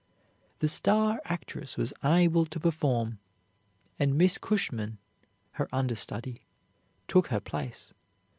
The star actress was unable to perform, and Miss Cushman, her understudy, took her place.